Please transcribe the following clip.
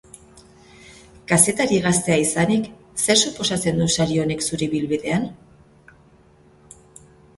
Kazetari gaztea izanik, zer suposatzen du sari honek zure ibilbidean?